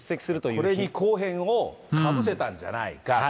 これに後編をかぶせたんじゃないかと。